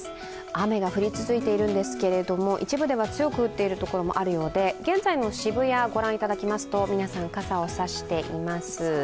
雨が降り続いているんですけれども一部では強く降っているところもあるようで現在の渋谷、御覧いただきますと、皆さん、傘を差しています。